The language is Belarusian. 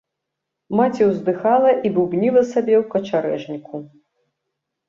Маці ўздыхала і бубніла сабе ў качарэжніку.